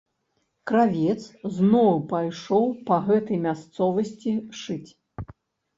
Кравец зноў пайшоў па гэтай мясцовасці шыць.